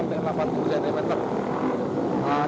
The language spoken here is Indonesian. mungkin sampai delapan puluh hujan yang nekat